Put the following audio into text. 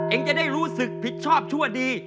เองจะได้รู้สึกผิดชอบชั่วดี